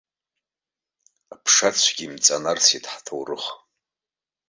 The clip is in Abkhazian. Аԥша цәгьа имҵанарсит ҳҭоурых!